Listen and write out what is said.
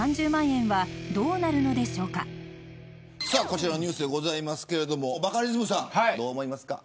こちらのニュースでございますがバカリズムさんどう思いますか。